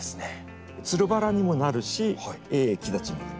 つるバラにもなるし木立ちにもなる。